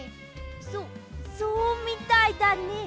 そそうみたいだね。